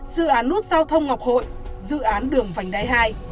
dự án nút giao thông ngọc hội dự án đường vành đai hai